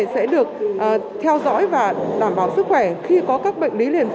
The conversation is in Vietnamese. sẽ được chăm sóc cả bệnh lý nền